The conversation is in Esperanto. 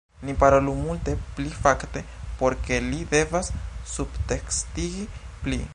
Ni parolu multe pli fakte por ke li devas subtekstigi pli